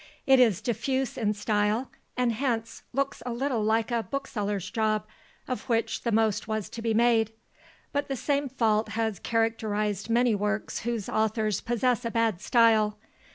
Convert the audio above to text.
It is diffuse in style, and hence looks a little like a "bookseller's job," of which the most was to be made; but the same fault has characterised many works whose authors possess a bad style.